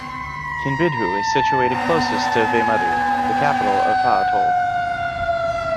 Kinbidhoo is situated closest to Veymadoo, the capital of Tha Atoll.